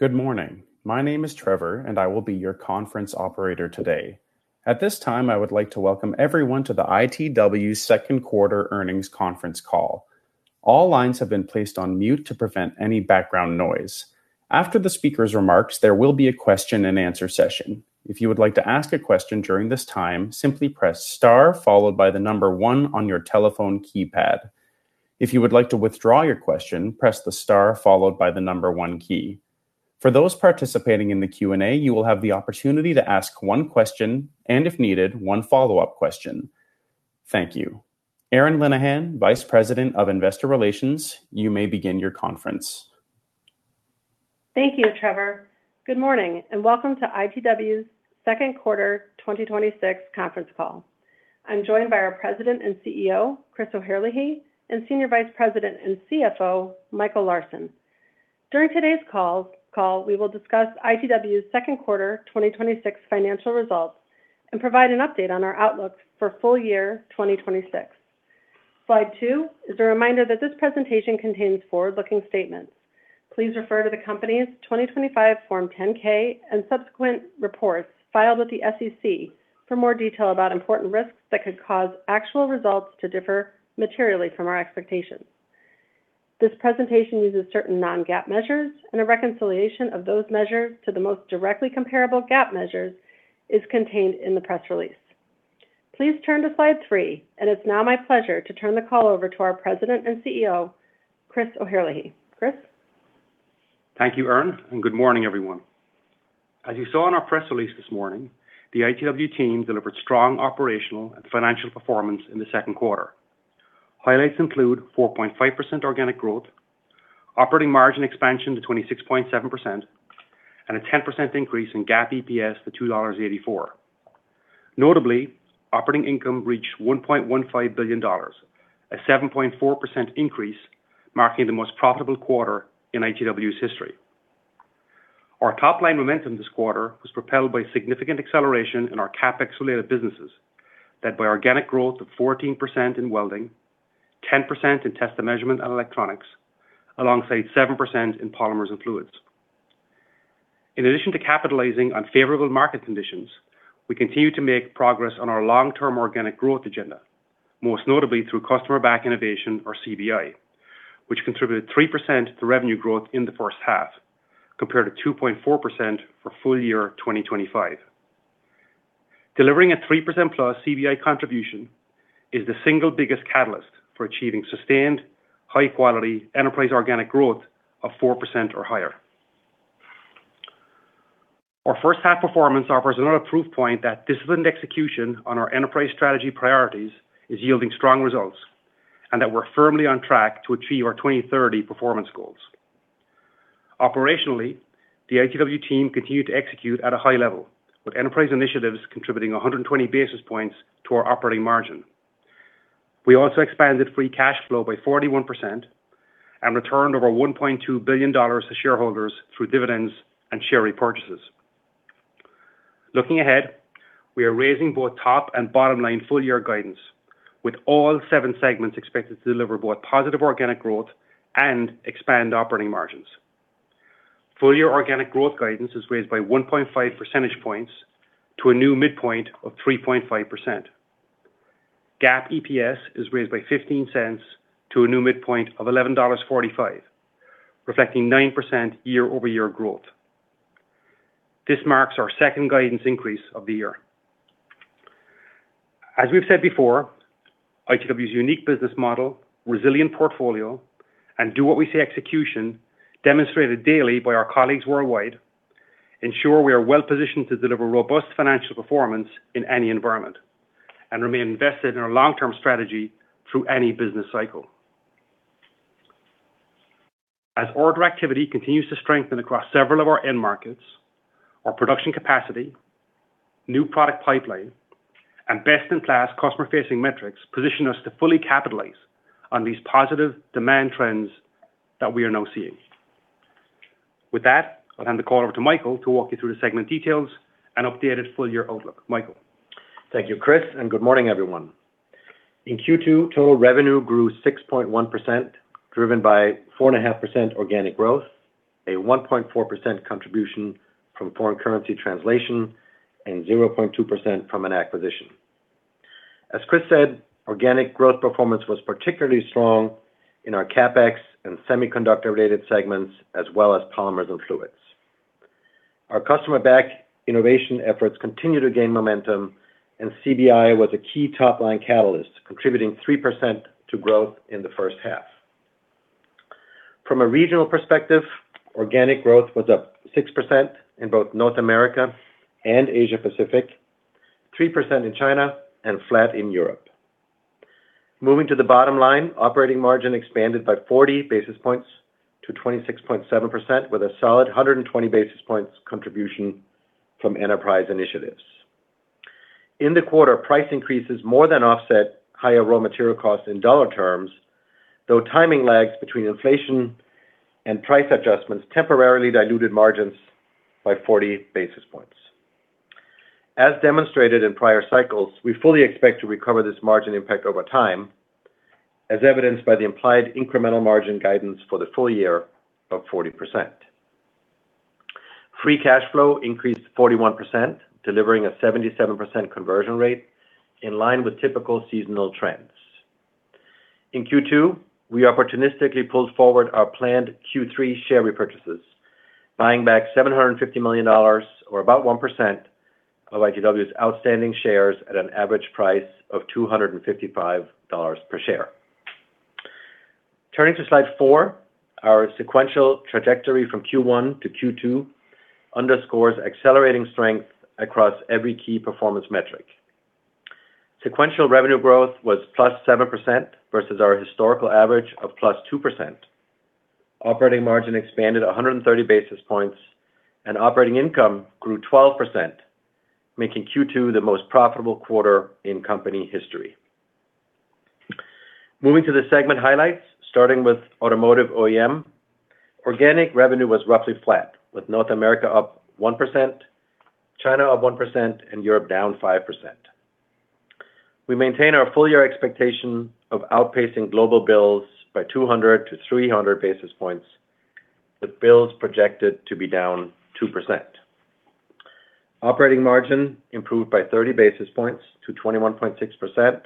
Good morning. My name is Trevor, and I will be your conference operator today. At this time, I would like to welcome everyone to the ITW second quarter earnings conference call. All lines have been placed on mute to prevent any background noise. After the speaker's remarks, there will be a question and answer session. If you would like to ask a question during this time, simply press star followed by the number one on your telephone keypad. If you would like to withdraw your question, press the star followed by the number 1 key. For those participating in the question-and-answer, you will have the opportunity to ask one question and, if needed, one follow-up question. Thank you. Erin Linnihan, Vice President of Investor Relations, you may begin your conference. Thank you, Trevor. Good morning. Welcome to ITW's second quarter 2026 conference call. I'm joined by our President and Chief Executive Officer, Chris O'Herlihy, and Senior Vice President and Chief Financial Officer, Michael Larsen. During today's call, we will discuss ITW's second quarter 2026 financial results and provide an update on our outlook for full year 2026. Slide two is a reminder that this presentation contains forward-looking statements. Please refer to the company's 2025 Form 10-K and subsequent reports filed with the SEC for more detail about important risks that could cause actual results to differ materially from our expectations. This presentation uses certain Non-GAAP measures. A reconciliation of those measures to the most directly comparable GAAP measures is contained in the press release. Please turn to slide three. It's now my pleasure to turn the call over to our President and Chief Executive Officer, Chris O'Herlihy. Chris? Thank you, Erin. Good morning, everyone. As you saw in our press release this morning, the ITW team delivered strong operational and financial performance in the second quarter. Highlights include 4.5% organic growth, operating margin expansion to 26.7%, and a 10% increase in GAAP EPS to $2.84. Notably, operating income reached $1.15 billion, a 7.4% increase, marking the most profitable quarter in ITW's history. Our top-line momentum this quarter was propelled by significant acceleration in our CapEx-related businesses, led by organic growth of 14% in welding, 10% in Test & Measurement and Electronics, alongside 7% in polymers and fluids. In addition to capitalizing on favorable market conditions, we continue to make progress on our long-term organic growth agenda, most notably through Customer-Back Innovation, or CBI, which contributed 3% to revenue growth in the first half, compared to 2.4% for full year 2025. Delivering a 3% plus CBI contribution is the single biggest catalyst for achieving sustained, high-quality enterprise organic growth of 4% or higher. Our first half performance offers another proof point that disciplined execution on our enterprise strategy priorities is yielding strong results. We're firmly on track to achieve our 2030 performance goals. Operationally, the ITW team continued to execute at a high level, with enterprise initiatives contributing 120 basis points to our operating margin. We also expanded free cash flow by 41% and returned over $1.2 billion to shareholders through dividends and share repurchases. Looking ahead, we are raising both top and bottom-line full-year guidance, with all seven segments expected to deliver both positive organic growth and expand operating margins. Full-year organic growth guidance is raised by 1.5 percentage points to a new midpoint of 3.5%. GAAP EPS is raised by $0.15 to a new midpoint of $11.45, reflecting 9% year-over-year growth. This marks our second guidance increase of the year. As we've said before, ITW's unique business model, resilient portfolio, and do-what-we-say execution, demonstrated daily by our colleagues worldwide, ensure we are well-positioned to deliver robust financial performance in any environment and remain invested in our long-term strategy through any business cycle. As order activity continues to strengthen across several of our end markets, our production capacity, new product pipeline, and best-in-class customer-facing metrics position us to fully capitalize on these positive demand trends that we are now seeing. With that, I'll hand the call over to Michael to walk you through the segment details and updated full-year outlook. Michael? Thank you, Chris, and good morning, everyone. In Q2, total revenue grew 6.1%, driven by 4.5% organic growth, a 1.4% contribution from foreign currency translation, and 0.2% from an acquisition. As Chris said, organic growth performance was particularly strong in our CapEx and semiconductor-related segments, as well as polymers and fluids. Our Customer-Back Innovation efforts continue to gain momentum, and CBI was a key top-line catalyst, contributing 3% to growth in the first half. From a regional perspective, organic growth was up 6% in both North America and Asia Pacific, 3% in China, and flat in Europe. Moving to the bottom line, operating margin expanded by 40 basis points to 26.7%, with a solid 120 basis points contribution from enterprise initiatives. In the quarter, price increases more than offset higher raw material costs in dollar terms, though timing lags between inflation and price adjustments temporarily diluted margins by 40 basis points. As demonstrated in prior cycles, we fully expect to recover this margin impact over time, as evidenced by the implied incremental margin guidance for the full year of 40%. Free cash flow increased 41%, delivering a 77% conversion rate in line with typical seasonal trends. In Q2, we opportunistically pulled forward our planned Q3 share repurchases, buying back $750 million, or about 1%, of ITW's outstanding shares at an average price of $255 per share. Turning to slide four, our sequential trajectory from Q1-Q2 underscores accelerating strength across every key performance metric. Sequential revenue growth was +7%, versus our historical average of +2%. Operating margin expanded 130 basis points, and operating income grew 12%, making Q2 the most profitable quarter in company history. Moving to the segment highlights, starting with automotive OEM. Organic revenue was roughly flat, with North America up 1%, China up 1%, and Europe down 5%. We maintain our full-year expectation of outpacing global bills by 200-300 basis points, with bills projected to be down 2%. Operating margin improved by 30 basis points to 21.6%,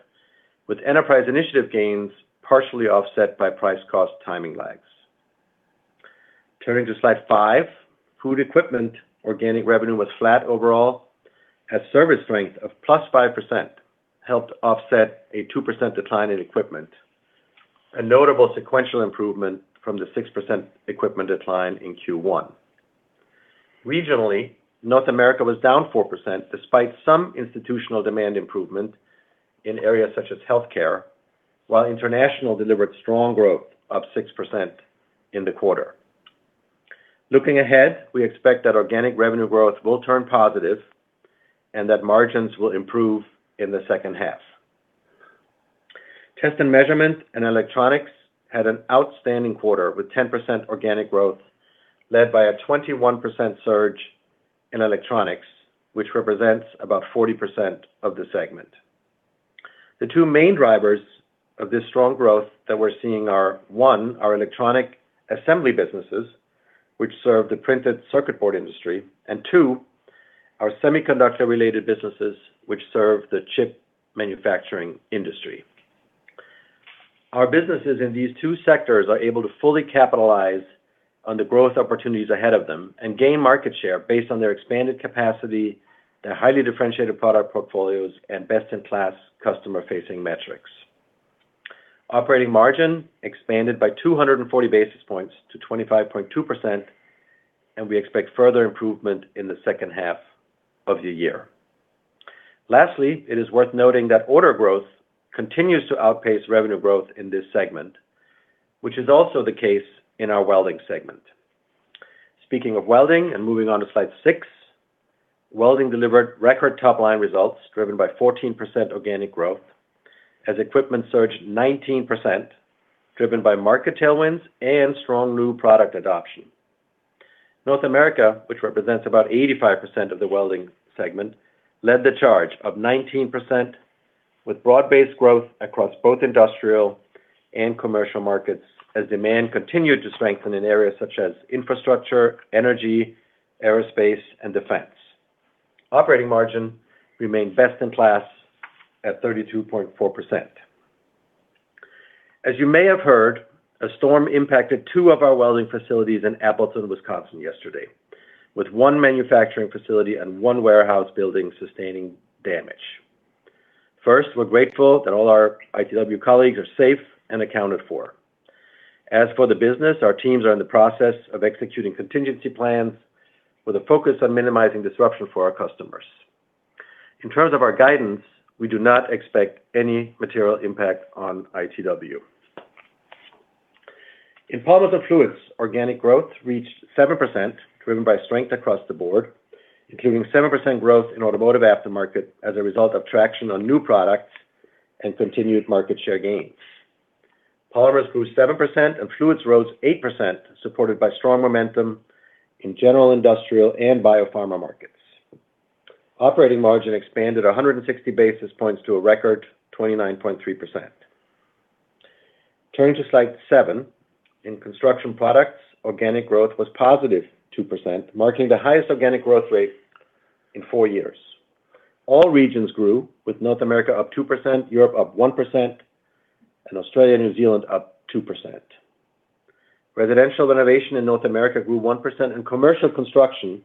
with enterprise initiative gains partially offset by price-cost timing lags. Turning to slide five. Food equipment organic revenue was flat overall, as service strength of +5% helped offset a 2% decline in equipment, a notable sequential improvement from the 6% equipment decline in Q1. Regionally, North America was down 4%, despite some institutional demand improvement in areas such as healthcare, while international delivered strong growth of 6% in the quarter. Looking ahead, we expect that organic revenue growth will turn positive and that margins will improve in the second half. Test and measurement and electronics had an outstanding quarter, with 10% organic growth led by a 21% surge in electronics, which represents about 40% of the segment. The two main drivers of this strong growth that we're seeing are, one, our electronic assembly businesses, which serve the printed circuit board industry, and two, our semiconductor-related businesses, which serve the chip manufacturing industry. Our businesses in these two sectors are able to fully capitalize on the growth opportunities ahead of them and gain market share based on their expanded capacity, their highly differentiated product portfolios, and best-in-class customer-facing metrics. Operating margin expanded by 240 basis points to 25.2%, and we expect further improvement in the second half of the year. Lastly, it is worth noting that order growth continues to outpace revenue growth in this segment, which is also the case in our welding segment. Speaking of welding and moving on to slide six, welding delivered record top-line results driven by 14% organic growth as equipment surged 19%, driven by market tailwinds and strong new product adoption. North America, which represents about 85% of the welding segment, led the charge of 19%, with broad-based growth across both industrial and commercial markets as demand continued to strengthen in areas such as infrastructure, energy, aerospace, and defense. Operating margin remained best in class at 32.4%. As you may have heard, a storm impacted two of our welding facilities in Appleton, Wisconsin yesterday, with one manufacturing facility and one warehouse building sustaining damage. First, we're grateful that all our ITW colleagues are safe and accounted for. As for the business, our teams are in the process of executing contingency plans with a focus on minimizing disruption for our customers. In terms of our guidance, we do not expect any material impact on ITW. In polymers and fluids, organic growth reached 7%, driven by strength across the board, including 7% growth in automotive aftermarket as a result of traction on new products and continued market share gains. Polymers grew 7% and fluids rose 8%, supported by strong momentum in general industrial and biopharma markets. Operating margin expanded 160 basis points to a record 29.3%. Turning to slide seven. In construction products, organic growth was a positive 2%, marking the highest organic growth rate in four years. All regions grew, with North America up 2%, Europe up 1%, and Australia and New Zealand up 2%. Residential renovation in North America grew 1%, and commercial construction,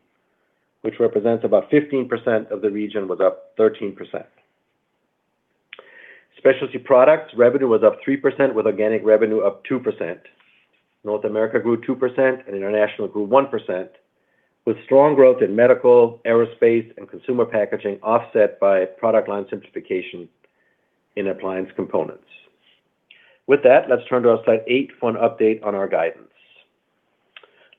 which represents about 15% of the region, was up 13%. Specialty products revenue was up 3%, with organic revenue up 2%. North America grew 2% and international grew 1%, with strong growth in medical, aerospace, and consumer packaging offset by product line simplification in appliance components. With that, let's turn to our slide eight for an update on our guidance.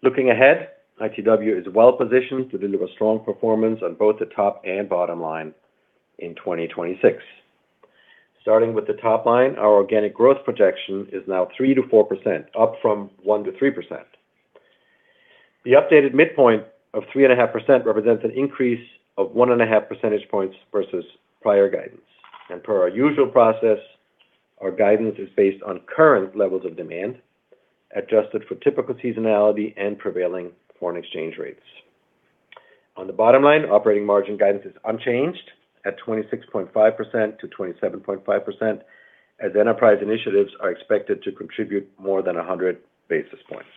Looking ahead, ITW is well positioned to deliver strong performance on both the top and bottom line in 2026. Starting with the top line, our organic growth projection is now 3%-4%, up from 1%-3%. The updated midpoint of 3.5% represents an increase of 1.5 percentage points versus prior guidance. Per our usual process, our guidance is based on current levels of demand, adjusted for typical seasonality and prevailing foreign exchange rates. On the bottom line, operating margin guidance is unchanged at 26.5%-27.5%, as enterprise initiatives are expected to contribute more than 100 basis points.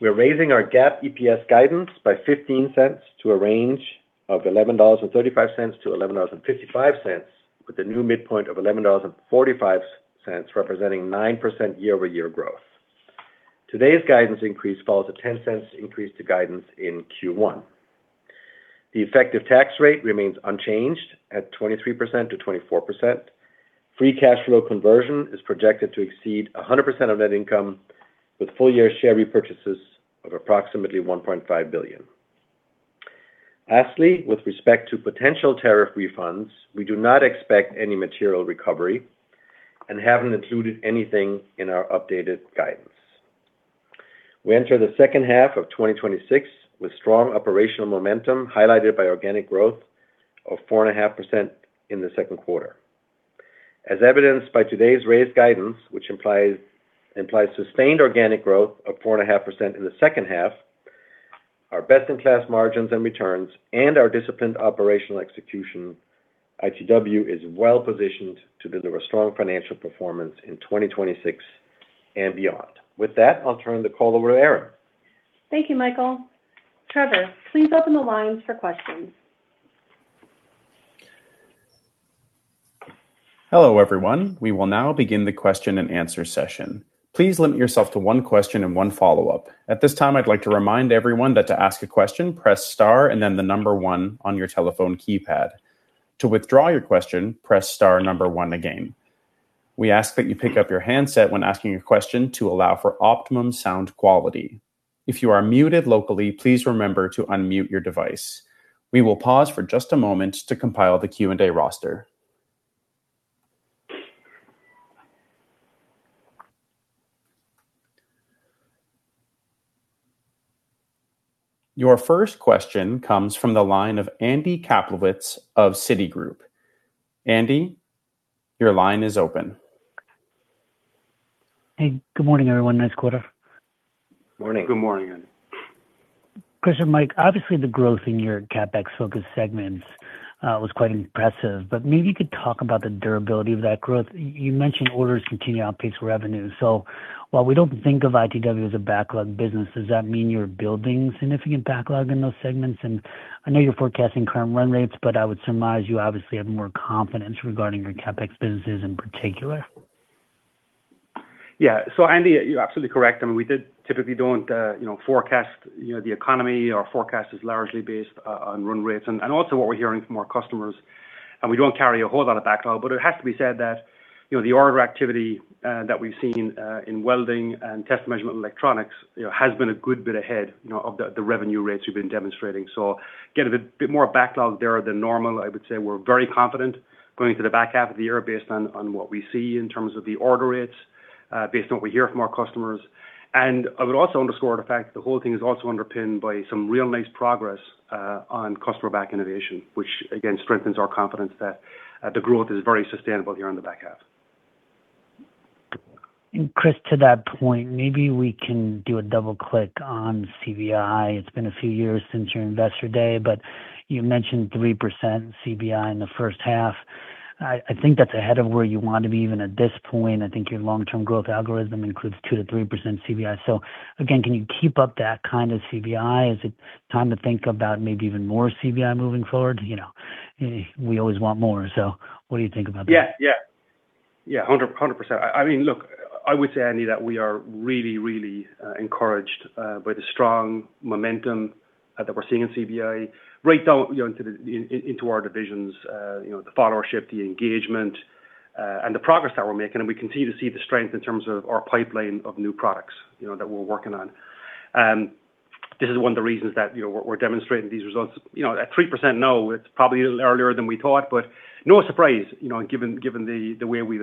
We're raising our GAAP EPS guidance by $0.15 to a range of $11.35-$11.55, with a new midpoint of $11.45, representing 9% year-over-year growth. Today's guidance increase follows a $0.10 increase to guidance in Q1. The effective tax rate remains unchanged at 23%-24%. Free cash flow conversion is projected to exceed 100% of net income, with full-year share repurchases of approximately $1.5 billion. Lastly, with respect to potential tariff refunds, we do not expect any material recovery and haven't included anything in our updated guidance. We enter the second half of 2026 with strong operational momentum, highlighted by organic growth of 4.5% in the second quarter. As evidenced by today's raised guidance, which implies sustained organic growth of 4.5% in the second half, our best-in-class margins and returns, and our disciplined operational execution, ITW is well positioned to deliver strong financial performance in 2026 and beyond. With that, I'll turn the call over to Erin. Thank you, Michael. Trevor, please open the lines for questions. Hello, everyone. We will now begin the question-and-answer session. Please limit yourself to one question and one follow-up. At this time, I'd like to remind everyone that to ask a question, press star and then the number one on your telephone keypad. To withdraw your question, press star number one again. We ask that you pick up your handset when asking a question to allow for optimum sound quality. If you are muted locally, please remember to unmute your device. We will pause for just a moment to compile the question-and-answer roster. Your first question comes from the line of Andy Kaplowitz of Citi. Andy, your line is open. Hey, good morning, everyone. Nice quarter. Morning. Good morning, Andy. Question, Mike, obviously the growth in your CapEx-focused segments was quite impressive. Maybe you could talk about the durability of that growth. You mentioned orders continue to outpace revenue. While we don't think of ITW as a backlog business, does that mean you're building significant backlog in those segments? I know you're forecasting current run rates, but I would surmise you obviously have more confidence regarding your CapEx businesses in particular. Yeah. Andy, you're absolutely correct. We typically don't forecast the economy. Our forecast is largely based on run rates. Also what we're hearing from our customers, we don't carry a whole lot of backlog, but it has to be said that the order activity that we've seen in welding and test measurement electronics has been a good bit ahead of the revenue rates we've been demonstrating. Again, a bit more backlog there than normal. I would say we're very confident going into the back half of the year based on what we see in terms of the order rates, based on what we hear from our customers. I would also underscore the fact that the whole thing is also underpinned by some real nice progress on Customer-Back Innovation, which again strengthens our confidence that the growth is very sustainable here in the back half. Chris, to that point, maybe we can do a double-click on CBI. It has been a few years since your Investor Day. You mentioned 3% CBI in the first half. I think that is ahead of where you want to be even at this point. I think your long-term growth algorithm includes 2%-3% CBI. Again, can you keep up that kind of CBI? Is it time to think about maybe even more CBI moving forward? We always want more. What do you think about that? Yeah. 100%. Look, I would say, Andy, that we are really encouraged by the strong momentum that we are seeing in CBI right down into our divisions, the followership, the engagement, and the progress that we are making. We continue to see the strength in terms of our pipeline of new products that we are working on. This is one of the reasons that we are demonstrating these results. At 3% now, it is probably a little earlier than we thought, but no surprise given the way we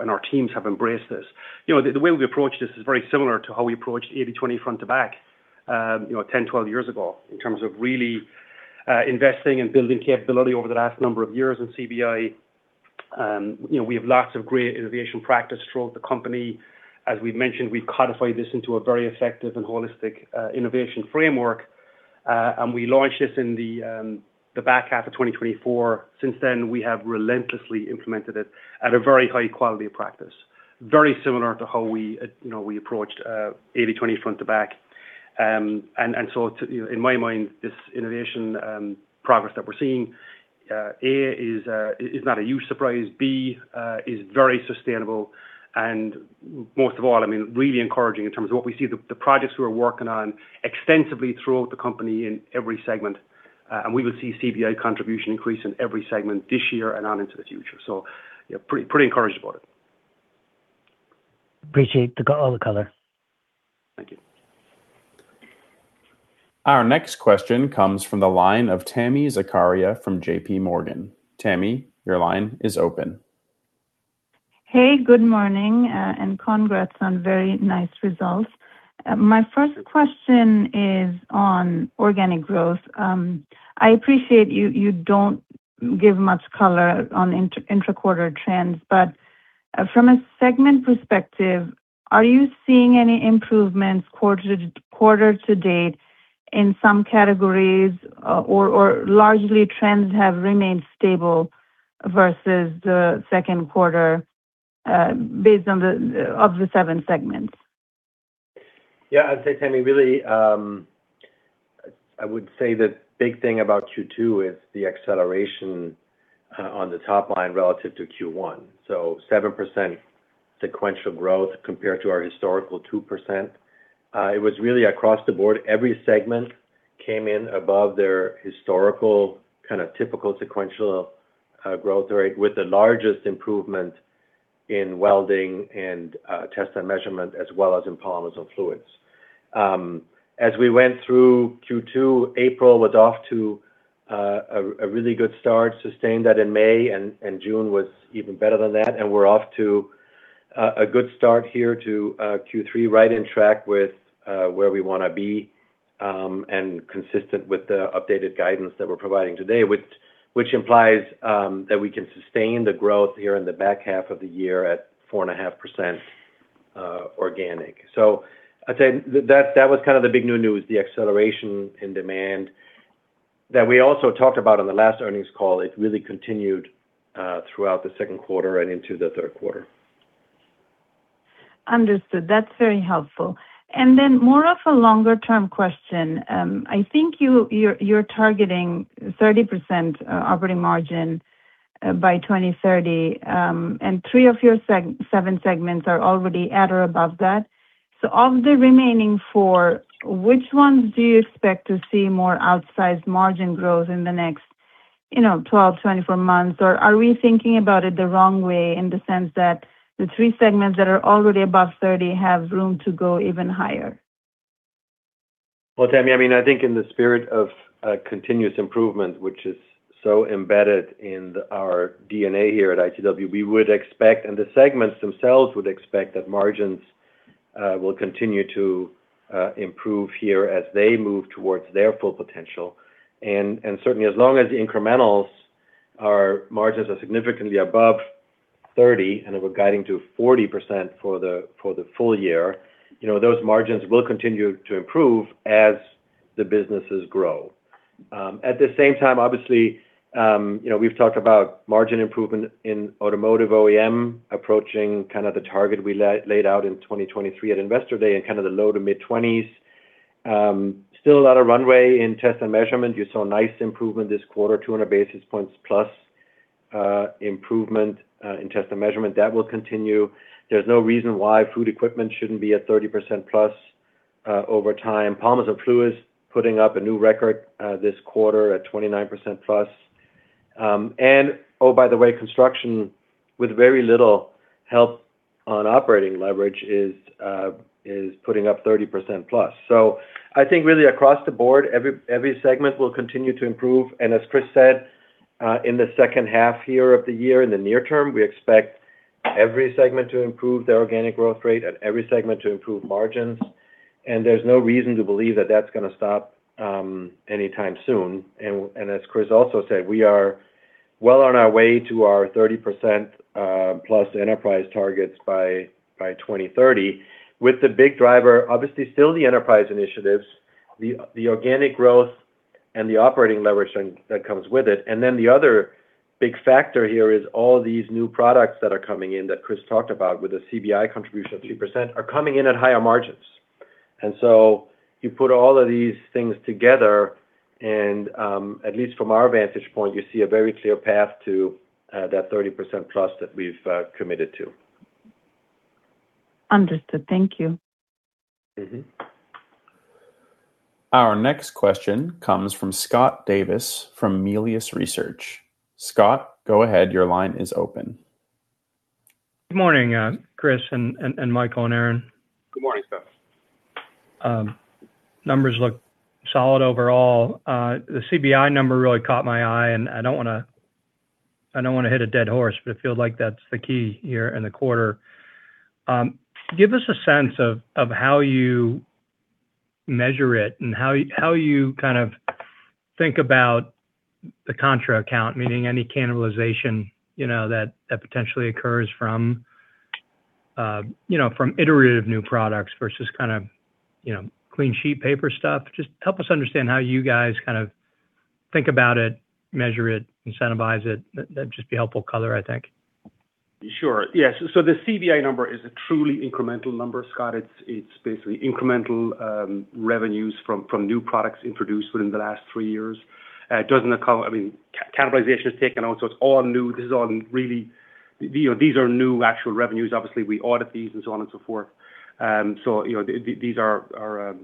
and our teams have embraced this. The way we approach this is very similar to how we approached 80/20 front to back 10 years-12 years ago in terms of really investing and building capability over the last number of years in CBI. We have lots of great innovation practice throughout the company. As we have mentioned, we have codified this into a very effective and holistic innovation framework. We launched this in the back half of 2024. Since then, we have relentlessly implemented it at a very high quality of practice. Very similar to how we approached 80/20 front to back. In my mind, this innovation progress that we are seeing, A, is not a huge surprise, B, is very sustainable, and most of all, really encouraging in terms of what we see the projects we are working on extensively throughout the company in every segment. We will see CBI contribution increase in every segment this year and on into the future. Pretty encouraged about it. Appreciate all the color. Thank you. Our next question comes from the line of Tami Zakaria from JPMorgan. Tami, your line is open. Hey, good morning. Congrats on very nice results. My first question is on organic growth. I appreciate you don't give much color on intra-quarter trends. From a segment perspective, are you seeing any improvements quarter to date in some categories, or largely trends have remained stable versus the second quarter, based of the seven segments? I'd say, Tami, I would say the big thing about Q2 is the acceleration on the top line relative to Q1. 7% sequential growth compared to our historical 2%. It was really across the board. Every segment came in above their historical typical sequential growth rate, with the largest improvement in welding and test and measurement, as well as in polymers and fluids. As we went through Q2, April was off to a really good start, sustained that in May, and June was even better than that. We're off to a good start here to Q3, right in track with where we want to be, and consistent with the updated guidance that we're providing today, which implies that we can sustain the growth here in the back half of the year at 4.5% organic. I'd say that was kind of the big new news, the acceleration in demand that we also talked about on the last earnings call. It really continued throughout the second quarter and into the third quarter. Understood. That's very helpful. Then more of a longer term question. I think you're targeting 30% operating margin by 2030. Three of your seven segments are already at or above that. Of the remaining four, which ones do you expect to see more outsized margin growth in the next 12 months, 24 months? Or are we thinking about it the wrong way in the sense that the three segments that are already above 30 have room to go even higher? Well, Tami, I think in the spirit of continuous improvement, which is so embedded in our DNA here at ITW, we would expect, and the segments themselves would expect, that margins will continue to improve here as they move towards their full potential. Certainly as long as the incrementals are, margins are significantly above 30%, and we're guiding to 40% for the full year, those margins will continue to improve as the businesses grow. At the same time, obviously, we've talked about margin improvement in automotive OEM, approaching kind of the target we laid out in 2023 at Investor Day in kind of the low to mid-20s. Still a lot of runway in test and measurement. You saw nice improvement this quarter, 200 basis points+ improvement in test and measurement. That will continue. There's no reason why food equipment shouldn't be at 30%+ over time. Polymers and fluids, putting up a new record this quarter at 29%+. Oh, by the way, construction, with very little help on operating leverage, is putting up 30%+. I think really across the board, every segment will continue to improve. As Chris said, in the second half here of the year, in the near term, we expect every segment to improve their organic growth rate and every segment to improve margins. There's no reason to believe that that's going to stop anytime soon. As Chris also said, we are well on our way to our 30%+ enterprise targets by 2030, with the big driver, obviously still the enterprise initiatives, the organic growth, and the operating leverage that comes with it. The other big factor here is all these new products that are coming in that Chris talked about with the CBI contribution of 3% are coming in at higher margins. You put all of these things together and, at least from our vantage point, you see a very clear path to that 30%+ that we've committed to. Understood. Thank you. Our next question comes from Scott Davis from Melius Research. Scott, go ahead. Your line is open. Good morning, Chris and Michael and Erin. Good morning, Scott. Numbers look solid overall. The CBI number really caught my eye. I don't want to hit a dead horse, it feels like that's the key here in the quarter. Give us a sense of how you measure it and how you kind of think about the contra account, meaning any cannibalization that potentially occurs from iterative new products versus clean sheet paper stuff. Just help us understand how you guys kind of think about it, measure it, incentivize it. That'd just be helpful color, I think. Sure. Yeah. The CBI number is a truly incremental number, Scott. It's basically incremental revenues from new products introduced within the last three years. Cannibalization is taken out, it's all new. These are new actual revenues. Obviously, we audit these and so on and so forth. These are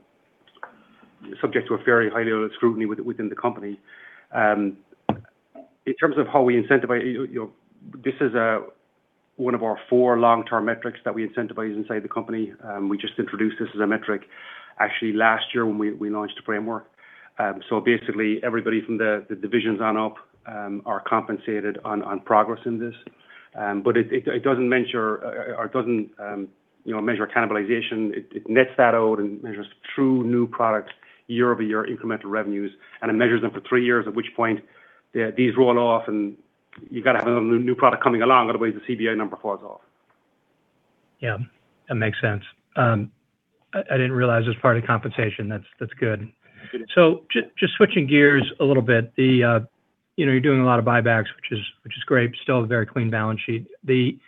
subject to a very high level of scrutiny within the company. In terms of how we incentivize, this is one of our four long-term metrics that we incentivize inside the company. We just introduced this as a metric actually last year when we launched a framework. Basically, everybody from the divisions on up are compensated on progress in this. It doesn't measure cannibalization. It nets that out and measures true new products year-over-year incremental revenues. It measures them for three years, at which point these roll off and you've got to have a new product coming along, otherwise the CBI number falls off. Yeah, that makes sense. I didn't realize it was part of the compensation. That's good. Good. Just switching gears a little bit, you're doing a lot of buybacks, which is great. Still have a very clean balance sheet. The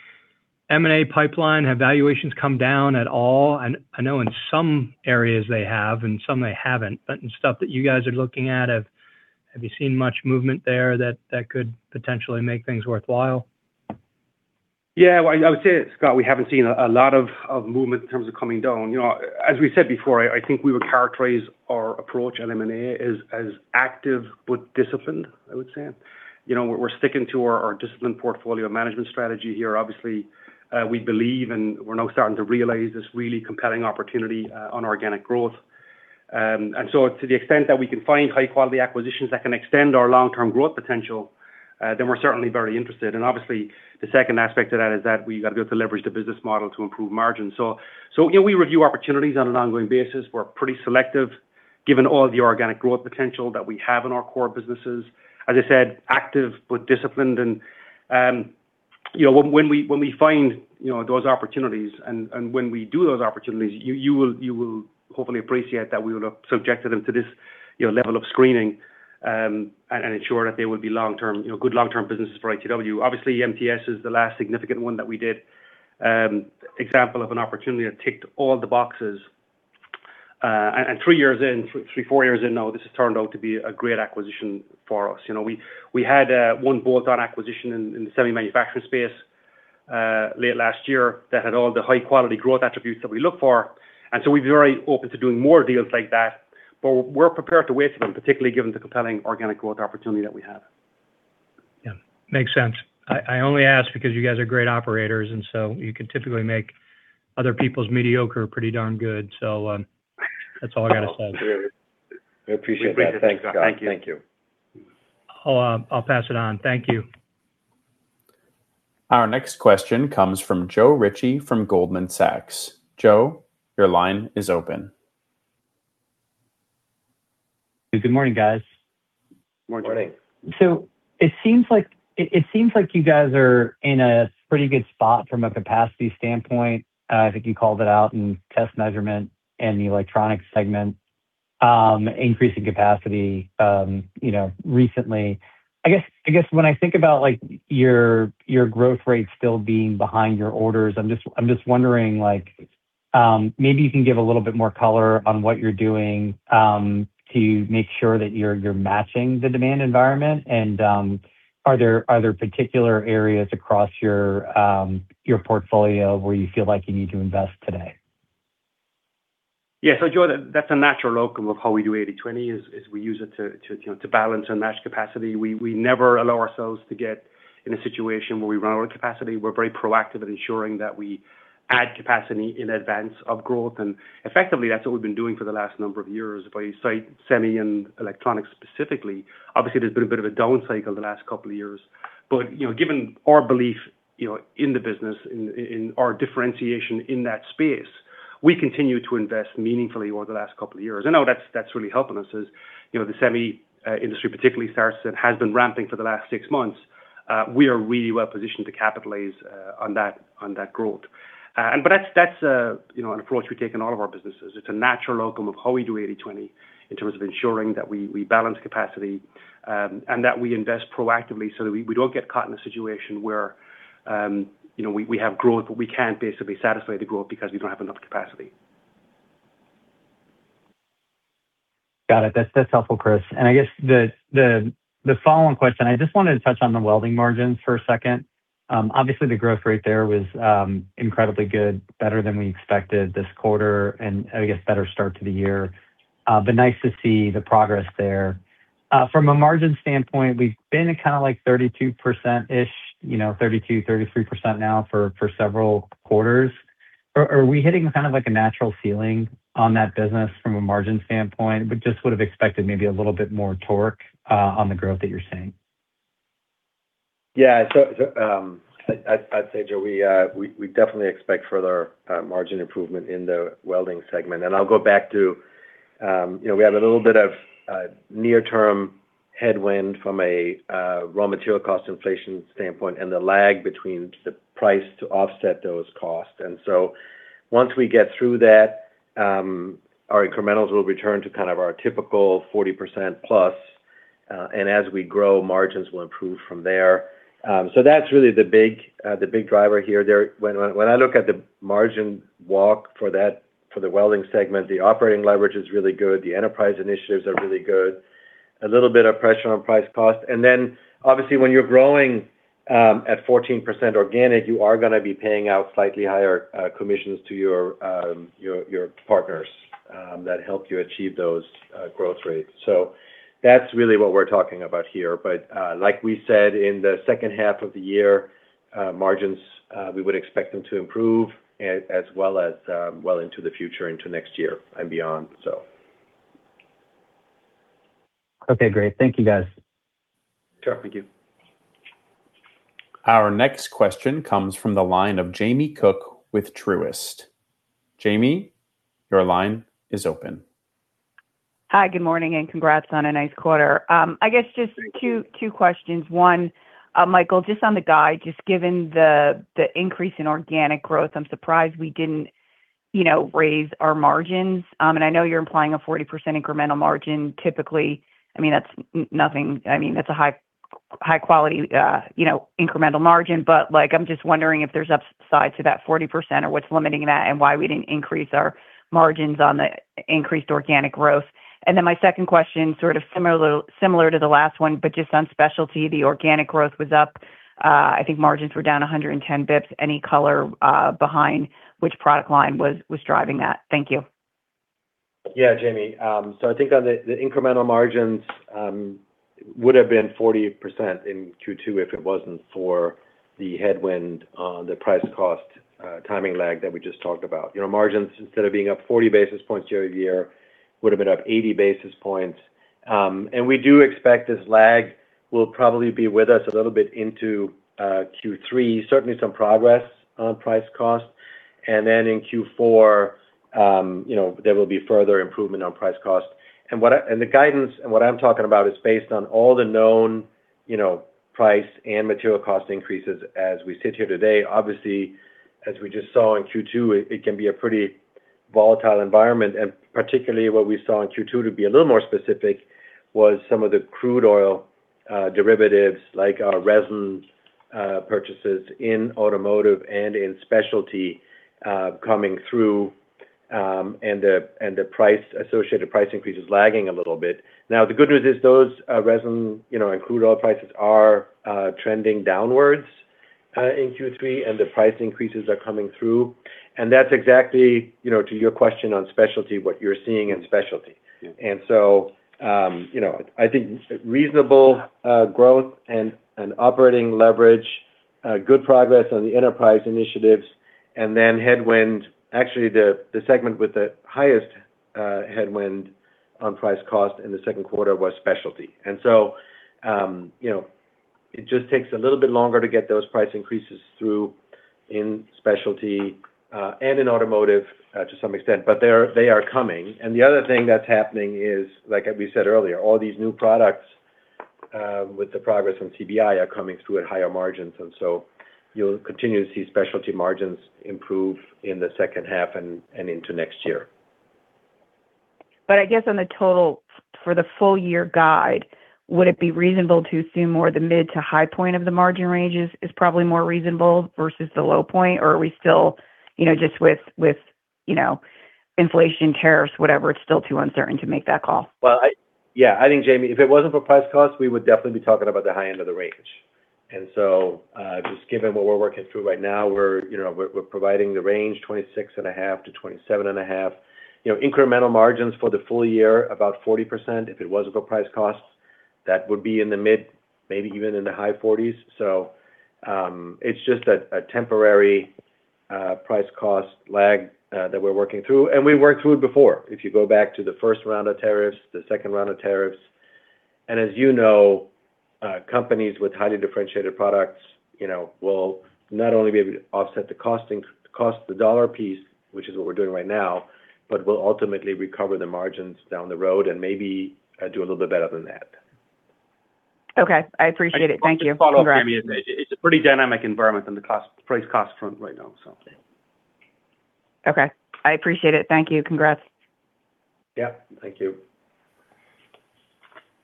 M&A pipeline, have valuations come down at all? I know in some areas they have and some they haven't, but in stuff that you guys are looking at, have you seen much movement there that could potentially make things worthwhile? Yeah. I would say, Scott, we haven't seen a lot of movement in terms of coming down. As we said before, I think we would characterize our approach at M&A as active but disciplined, I would say. We're sticking to our disciplined portfolio management strategy here. Obviously, we believe, and we're now starting to realize this really compelling opportunity on organic growth. To the extent that we can find high-quality acquisitions that can extend our long-term growth potential, then we're certainly very interested. Obviously, the second aspect to that is that we've got to be able to leverage the business model to improve margins. We review opportunities on an ongoing basis. We're pretty selective given all the organic growth potential that we have in our core businesses. As I said, active but disciplined, and when we find those opportunities and when we do those opportunities, you will hopefully appreciate that we will have subjected them to this level of screening, and ensure that they will be good long-term businesses for ITW. Obviously, MTS is the last significant one that we did. Example of an opportunity that ticked all the boxes. Three, four years in now, this has turned out to be a great acquisition for us. We had one bolt-on acquisition in the semi manufacturing space late last year that had all the high-quality growth attributes that we look for. We'd be very open to doing more deals like that, but we're prepared to wait for them, particularly given the compelling organic growth opportunity that we have. Yeah, makes sense. I only ask because you guys are great operators, and so you can typically make other people's mediocre pretty darn good. That's all I got to say. We appreciate that. Thanks, Scott. We appreciate that. Thank you. I'll pass it on. Thank you. Our next question comes from Joe Ritchie from Goldman Sachs. Joe, your line is open. Good morning, guys. Morning. Morning. It seems like you guys are in a pretty good spot from a capacity standpoint. I think you called it out in test measurement and the electronics segment, increasing capacity recently. I guess, when I think about your growth rates still being behind your orders, I'm just wondering, maybe you can give a little bit more color on what you're doing to make sure that you're matching the demand environment, and are there particular areas across your portfolio where you feel like you need to invest today? Yeah. Joe, that's a natural outcome of how we do 80/20, is we use it to balance and match capacity. We never allow ourselves to get in a situation where we run out of capacity. We're very proactive at ensuring that we add capacity in advance of growth. Effectively, that's what we've been doing for the last number of years. If I cite semi and electronics specifically, obviously there's been a bit of a down cycle the last couple of years. Given our belief in the business, in our differentiation in that space, we continue to invest meaningfully over the last couple of years. Now that's really helping us, as the semi industry particularly starts and has been ramping for the last six months. We are really well positioned to capitalize on that growth. That's an approach we take in all of our businesses. It's a natural outcome of how we do 80/20 in terms of ensuring that we balance capacity, and that we invest proactively so that we don't get caught in a situation where we have growth, but we can't basically satisfy the growth because we don't have enough capacity. Got it. That's helpful, Chris. I guess the following question, I just wanted to touch on the welding margins for a second. Obviously, the growth rate there was incredibly good, better than we expected this quarter, and I guess better start to the year. Nice to see the progress there. From a margin standpoint, we've been at kind of like 32%, 33% now for several quarters. Are we hitting a natural ceiling on that business from a margin standpoint? We just would've expected maybe a little bit more torque on the growth that you're seeing. Yeah. I'd say, Joe, we definitely expect further margin improvement in the welding segment. I'll go back to, we had a little bit of near-term headwind from a raw material cost inflation standpoint and the lag between the price to offset those costs. Once we get through that, our incrementals will return to kind of our typical 40%+. As we grow, margins will improve from there. That's really the big driver here. When I look at the margin walk for the welding segment, the operating leverage is really good. The enterprise initiatives are really good. A little bit of pressure on price cost. Obviously when you're growing at 14% organic, you are going to be paying out slightly higher commissions to your partners that help you achieve those growth rates. That's really what we're talking about here. Like we said, in the second half of the year, margins, we would expect them to improve, as well as well into the future, into next year and beyond. Okay, great. Thank you, guys. Sure. Thank you. Our next question comes from the line of Jamie Cook with Truist Securities. Jamie, your line is open. Hi, good morning. Congrats on a nice quarter. I guess just two questions. One, Michael, just on the guide, just given the increase in organic growth, I'm surprised we didn't raise our margins. I know you're implying a 40% incremental margin typically. That's a high-quality incremental margin. I'm just wondering if there's upside to that 40% or what's limiting that and why we didn't increase our margins on the increased organic growth. My second question, sort of similar to the last one, but just on specialty. The organic growth was up. I think margins were down 110 basis points. Any color behind which product line was driving that? Thank you. Jamie. I think on the incremental margins, would've been 40% in Q2 if it wasn't for the headwind on the price cost timing lag that we just talked about. Margins, instead of being up 40 basis points year-over-year, would've been up 80 basis points. We do expect this lag will probably be with us a little bit into Q3. Certainly some progress on price cost. In Q4, there will be further improvement on price cost. The guidance and what I'm talking about is based on all the known price and material cost increases as we sit here today. Obviously, as we just saw in Q2, it can be a pretty volatile environment, and particularly what we saw in Q2, to be a little more specific, was some of the crude oil derivatives, like our resin purchases in automotive and in specialty coming through, and the associated price increases lagging a little bit. The good news is those resin and crude oil prices are trending downwards in Q3, and the price increases are coming through. That's exactly, to your question on specialty, what you're seeing in specialty. Yeah. I think reasonable growth and operating leverage, good progress on the enterprise initiatives, and then headwind. Actually, the segment with the highest headwind on price cost in the second quarter was specialty. It just takes a little bit longer to get those price increases through in specialty and in automotive to some extent. They are coming. The other thing that's happening is, like we said earlier, all these new products with the progress on CBI are coming through at higher margins. You'll continue to see specialty margins improve in the second half and into next year. I guess on the total for the full year guide, would it be reasonable to assume more the mid to high point of the margin ranges is probably more reasonable versus the low point? Are we still just with inflation, tariffs, whatever, it's still too uncertain to make that call? Well, yeah. I think, Jamie, if it wasn't for price cost, we would definitely be talking about the high end of the range. Just given what we're working through right now, we're providing the range, $26.5-$27.5. Incremental margins for the full year, about 40%. If it wasn't for price cost, that would be in the mid, maybe even in the high 40s. It's just a temporary price cost lag that we're working through. We worked through it before. If you go back to the first round of tariffs, the second round of tariffs. As you know, companies with highly differentiated products will not only be able to offset the costing cost of the $1 a piece, which is what we're doing right now, but will ultimately recover the margins down the road and maybe do a little bit better than that. Okay. I appreciate it. Thank you. Congrats. It's a pretty dynamic environment on the price cost front right now. Okay. I appreciate it. Thank you. Congrats. Yeah. Thank you.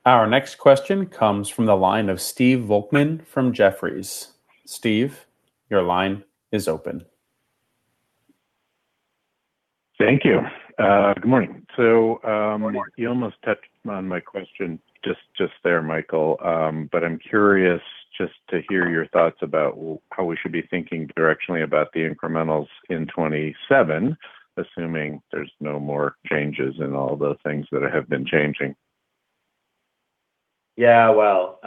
Our next question comes from the line of Stephen Volkmann from Jefferies. Steve, your line is open. Thank you. Good morning. Good morning. You almost touched on my question just there, Michael. I'm curious just to hear your thoughts about how we should be thinking directionally about the incrementals in 2027, assuming there's no more changes in all the things that have been changing. Well,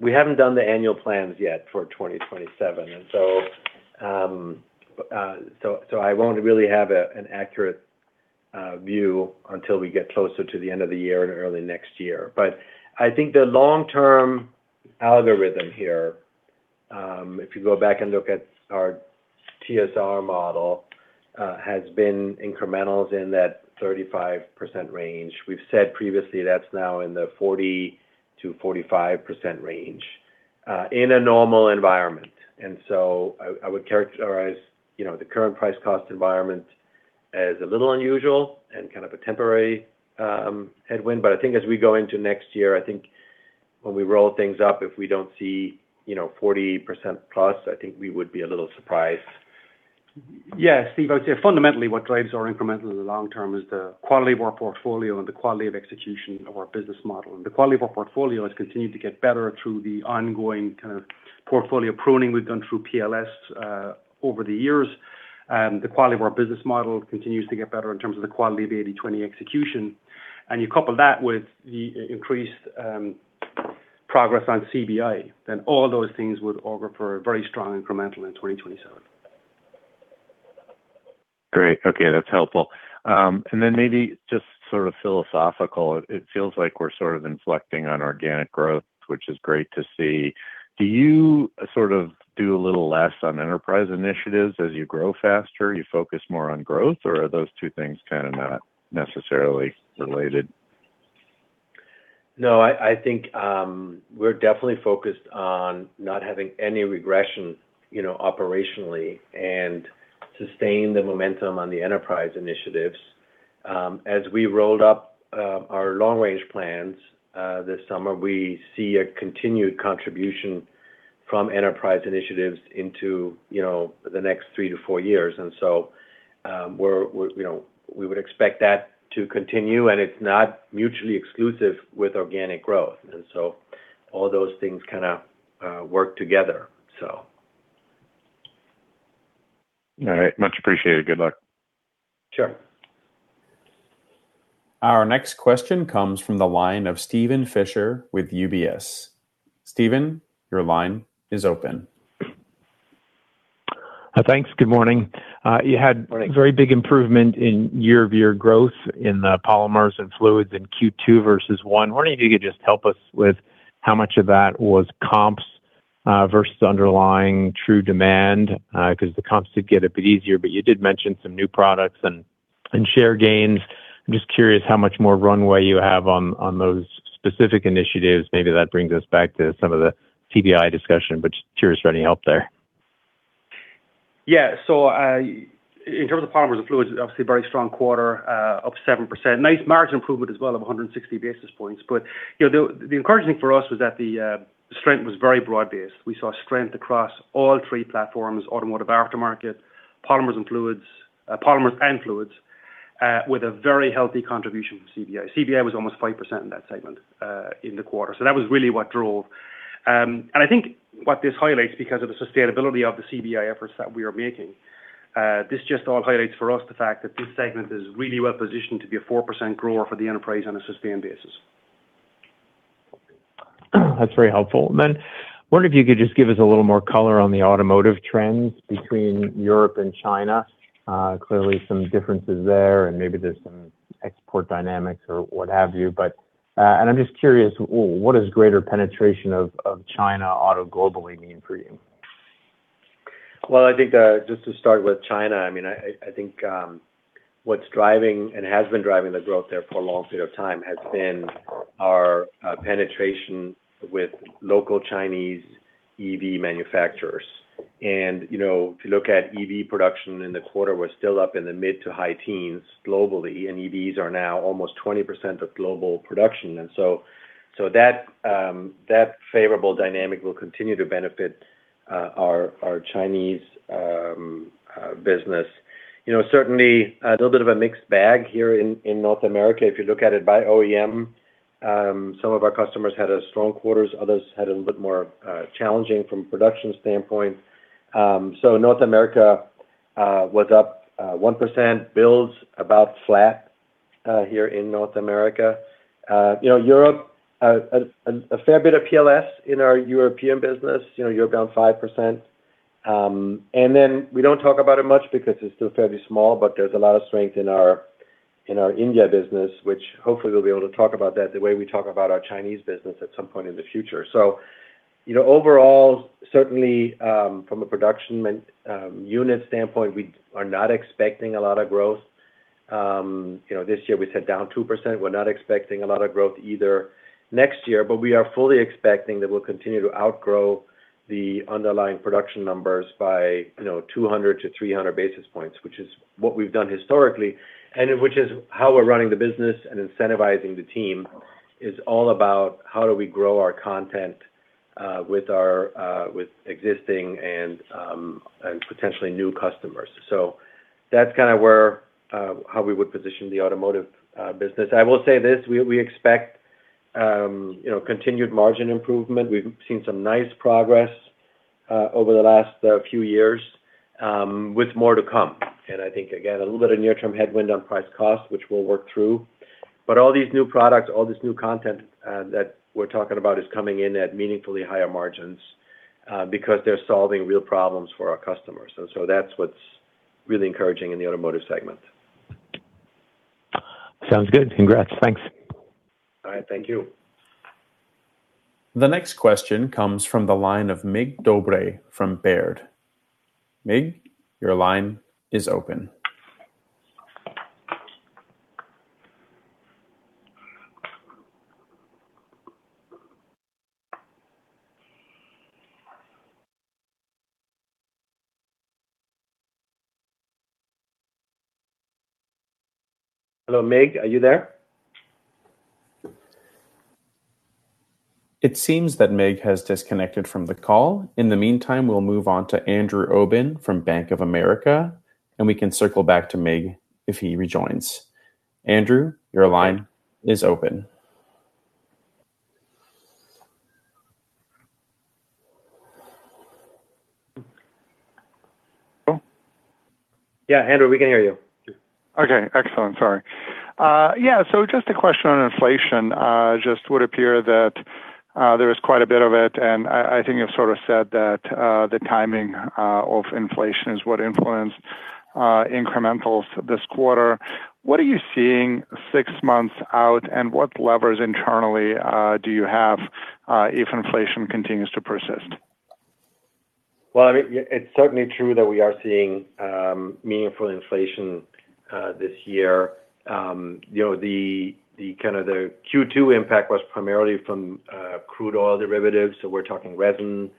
we haven't done the annual plans yet for 2027. I won't really have an accurate view until we get closer to the end of the year and early next year. I think the long-term algorithm here, if you go back and look at our TSR model, has been incrementals in that 35% range. We've said previously that's now in the 40%-45% range in a normal environment. I would characterize the current price cost environment as a little unusual and kind of a temporary headwind. I think as we go into next year, I think when we roll things up, if we don't see 40% plus, I think we would be a little surprised. Steve, I would say fundamentally what drives our incremental in the long term is the quality of our portfolio and the quality of execution of our business model. The quality of our portfolio has continued to get better through the ongoing portfolio pruning we've done through PLS over the years. The quality of our business model continues to get better in terms of the quality of the 80/20 execution. You couple that with the increased progress on CBI, then all those things would augur for a very strong incremental in 2027. Great. Okay. That's helpful. Maybe just sort of philosophical, it feels like we're sort of inflecting on organic growth, which is great to see. Do you sort of do a little less on enterprise initiatives as you grow faster? You focus more on growth? Are those two things kind of not necessarily related? No, I think we're definitely focused on not having any regression operationally and sustain the momentum on the enterprise initiatives. As we rolled up our long-range plans this summer, we see a continued contribution from enterprise initiatives into the next three to four years. We would expect that to continue, and it's not mutually exclusive with organic growth. All those things kind of work together. All right. Much appreciated. Good luck. Sure. Our next question comes from the line of Steven Fisher with UBS. Steven, your line is open. Thanks. Good morning. Morning. You had a very big improvement in year-over-year growth in the polymers and fluids in Q2 versus Q1. Wondering if you could just help us with how much of that was comps versus underlying true demand, because the comps did get a bit easier, but you did mention some new products and share gains. I'm just curious how much more runway you have on those specific initiatives. Maybe that brings us back to some of the CBI discussion, curious for any help there. Yeah. In terms of polymers and fluids, obviously a very strong quarter, up 7%. Nice margin improvement as well of 160 basis points. The encouraging thing for us was that the strength was very broad-based. We saw strength across all three platforms, automotive aftermarket, polymers and fluids, with a very healthy contribution from CBI. CBI was almost 5% in that segment in the quarter. That was really what drove. I think what this highlights, because of the sustainability of the CBI efforts that we are making, this just all highlights for us the fact that this segment is really well-positioned to be a 4% grower for the enterprise on a sustained basis. That's very helpful. Wonder if you could just give us a little more color on the automotive trends between Europe and China. Clearly some differences there, and maybe there's some export dynamics or what have you. I'm just curious, what does greater penetration of China auto globally mean for you? I think just to start with China, I think what's driving, and has been driving the growth there for a long period of time, has been our penetration with local Chinese EV manufacturers. If you look at EV production in the quarter, we're still up in the mid to high teens globally, and EVs are now almost 20% of global production. That favorable dynamic will continue to benefit our Chinese business. Certainly, a little bit of a mixed bag here in North America. If you look at it by OEM, some of our customers had strong quarters, others had a little bit more challenging from production standpoint. North America was up 1%, builds about flat here in North America. Europe, a fair bit of PLS in our European business. Europe down 5%. We don't talk about it much because it's still fairly small, but there's a lot of strength in our India business, which hopefully we'll be able to talk about that the way we talk about our Chinese business at some point in the future. Overall, certainly from a production unit standpoint, we are not expecting a lot of growth. This year we said down 2%. We're not expecting a lot of growth either next year, but we are fully expecting that we'll continue to outgrow the underlying production numbers by 200 basis points-300 basis points, which is what we've done historically, and which is how we're running the business and incentivizing the team is all about how do we grow our content with existing and potentially new customers. That's how we would position the automotive business. I will say this, we expect continued margin improvement. We've seen some nice progress over the last few years with more to come. I think, again, a little bit of near-term headwind on price cost, which we'll work through. All these new products, all this new content that we're talking about is coming in at meaningfully higher margins because they're solving real problems for our customers. That's what's really encouraging in the automotive segment. Sounds good. Congrats. Thanks. All right. Thank you. The next question comes from the line of Mircea Dobre from Baird. Mig, your line is open. Hello, Mig, are you there? It seems that Mig has disconnected from the call. In the meantime, we'll move on to Andrew Obin from Bank of America. We can circle back to Mig if he rejoins. Andrew, your line is open. Hello? Yeah, Andrew, we can hear you. Okay. Excellent. Sorry. Yeah. Just a question on inflation. Just would appear that there is quite a bit of it, and I think you've sort of said that the timing of inflation is what influenced incrementals this quarter. What are you seeing six months out, and what levers internally do you have if inflation continues to persist? Well, it's certainly true that we are seeing meaningful inflation this year. The Q2 impact was primarily from crude oil derivatives, so we're talking resin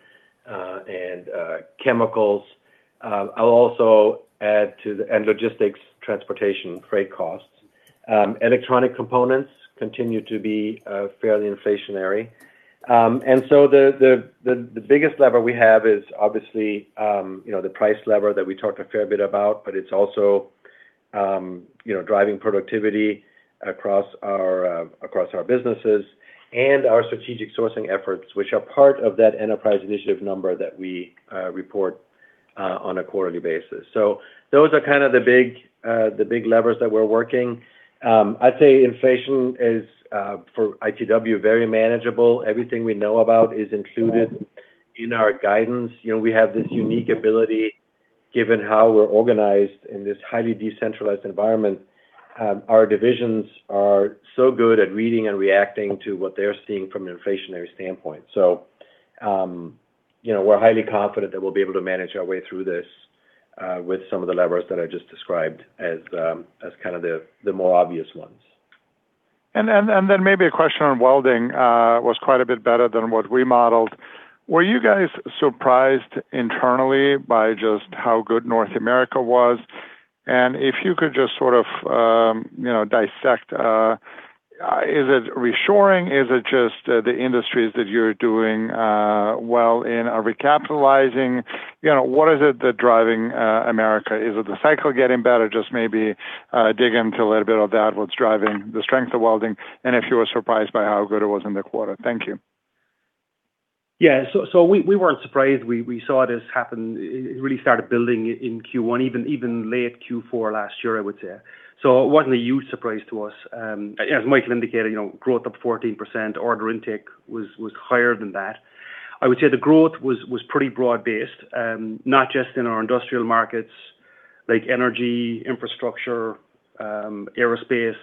and chemicals. I'll also add logistics, transportation, freight costs. Electronic components continue to be fairly inflationary. The biggest lever we have is obviously the price lever that we talked a fair bit about, but it's also driving productivity across our businesses and our strategic sourcing efforts, which are part of that enterprise initiative number that we report on a quarterly basis. Those are kind of the big levers that we're working. I'd say inflation is, for ITW, very manageable. Everything we know about is included in our guidance. We have this unique ability, given how we're organized in this highly decentralized environment, our divisions are so good at reading and reacting to what they're seeing from an inflationary standpoint. We're highly confident that we'll be able to manage our way through this with some of the levers that I just described as kind of the more obvious ones. Maybe a question on welding was quite a bit better than what we modeled. Were you guys surprised internally by just how good North America was? If you could just sort of dissect, is it reshoring? Is it just the industries that you're doing well in are recapitalizing? What is it that driving America? Is it the cycle getting better? Just maybe dig into a little bit of that, what's driving the strength of welding, and if you were surprised by how good it was in the quarter. Thank you. We weren't surprised. We saw this happen. It really started building in Q1, even late Q4 last year, I would say. It wasn't a huge surprise to us. As Michael indicated, growth up 14%, order intake was higher than that. I would say the growth was pretty broad-based, not just in our industrial markets, like energy infrastructure, aerospace,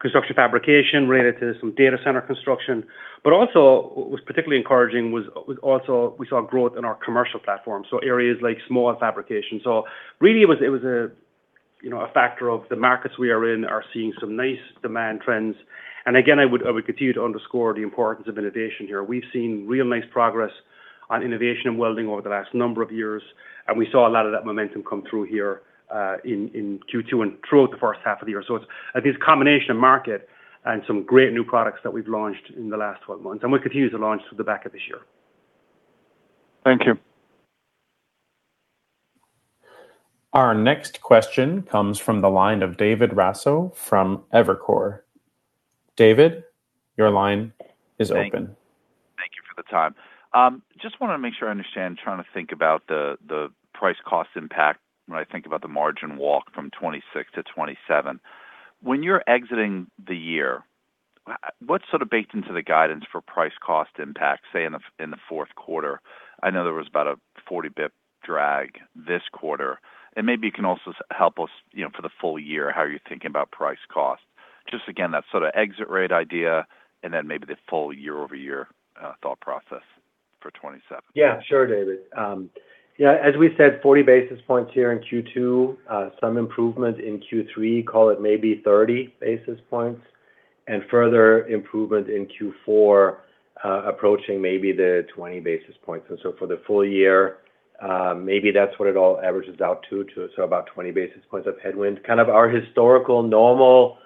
construction fabrication related to some data center construction. What was particularly encouraging was also we saw growth in our commercial platform, so areas like small fabrication. It was a factor of the markets we are in are seeing some nice demand trends. I would continue to underscore the importance of innovation here. We've seen real nice progress on innovation and welding over the last number of years, and we saw a lot of that momentum come through here in Q2 and throughout the first half of the year. It's this combination of market and some great new products that we've launched in the last 12 months, and we continue to launch through the back of this year. Thank you. Our next question comes from the line of David Raso from Evercore. David, your line is open. Thank you for the time. Just want to make sure I understand, trying to think about the price cost impact when I think about the margin walk from 2026 to 2027. When you're exiting the year, what's sort of baked into the guidance for price cost impact, say, in the fourth quarter? I know there was about a 40 basis points drag this quarter. Maybe you can also help us for the full year, how you're thinking about price cost. Just again, that sort of exit rate idea, and then maybe the full year-over-year thought process for 2027. Sure, David. As we said, 40 basis points here in Q2, some improvement in Q3, call it maybe 30 basis points, and further improvement in Q4, approaching maybe the 20 basis points. For the full year, maybe that's what it all averages out to, so about 20 basis points of headwind. Kind of our historical normal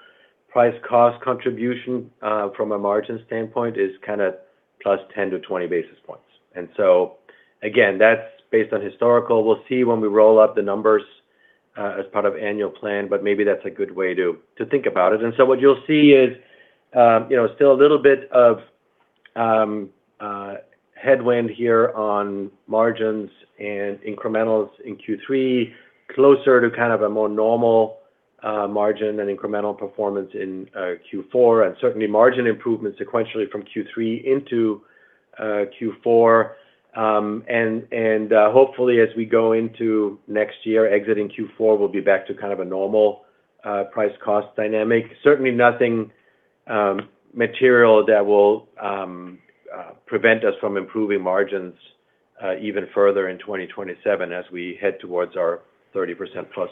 price cost contribution, from a margin standpoint, is kind of plus 10 basis points-20 basis points. Again, that's based on historical. We'll see when we roll up the numbers as part of annual plan, maybe that's a good way to think about it. What you'll see is still a little bit of headwind here on margins and incrementals in Q3, closer to kind of a more normal margin and incremental performance in Q4, and certainly margin improvement sequentially from Q3 into Q4. Hopefully as we go into next year, exiting Q4, we'll be back to kind of a normal price cost dynamic. Certainly nothing material that will prevent us from improving margins even further in 2027 as we head towards our 30%+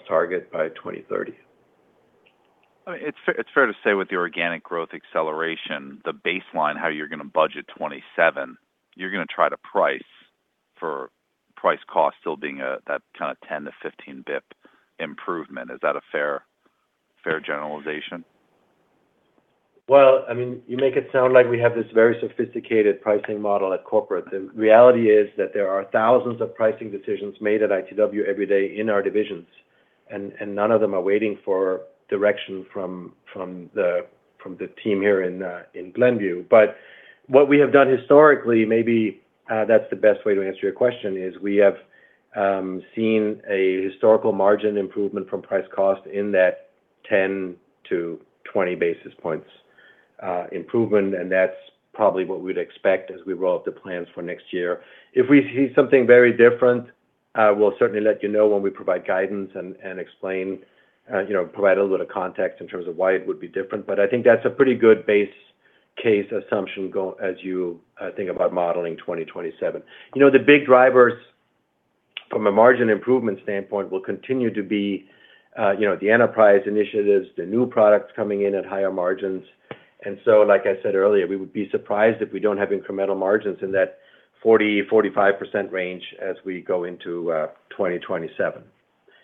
target by 2030. It's fair to say with the organic growth acceleration, the baseline, how you're going to budget 2027, you're going to try to price for price cost still being that kind of 10 basis points-15 basis points improvement. Is that a fair generalization? Well, you make it sound like we have this very sophisticated pricing model at corporate. The reality is that there are thousands of pricing decisions made at ITW every day in our divisions, and none of them are waiting for direction from the team here in Glenview. What we have done historically, maybe that's the best way to answer your question, is we have seen a historical margin improvement from price cost in that 10 basis points-20 basis points improvement, and that's probably what we'd expect as we roll out the plans for next year. If we see something very different, we'll certainly let you know when we provide guidance and explain, provide a little context in terms of why it would be different. I think that's a pretty good base case assumption as you think about modeling 2027. The big drivers from a margin improvement standpoint will continue to be the enterprise initiatives, the new products coming in at higher margins. So like I said earlier, we would be surprised if we don't have incremental margins in that 40%-45% range as we go into 2027.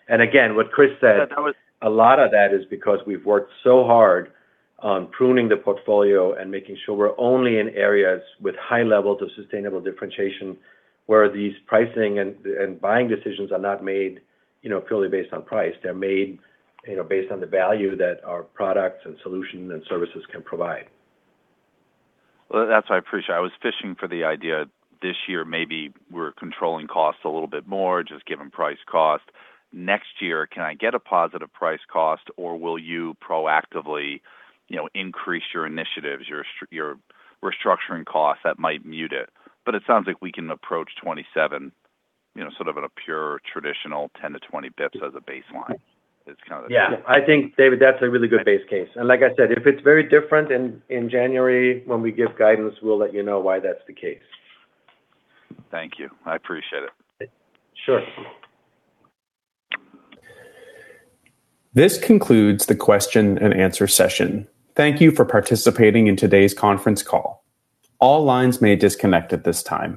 Again, what Chris said, a lot of that is because we've worked so hard on pruning the portfolio and making sure we're only in areas with high levels of sustainable differentiation, where these pricing and buying decisions are not made purely based on price. They're made based on the value that our products and solutions and services can provide. Well, that's what I appreciate. I was fishing for the idea this year, maybe we're controlling costs a little bit more, just given price cost. Next year, can I get a positive price cost or will you proactively increase your initiatives, your restructuring costs that might mute it? It sounds like we can approach 2027 in a pure traditional 10 basis points-20 basis points as a baseline. Yeah. I think, David, that's a really good base case. Like I said, if it's very different in January when we give guidance, we'll let you know why that's the case. Thank you. I appreciate it. Sure. This concludes the question and answer session. Thank you for participating in today's conference call. All lines may disconnect at this time.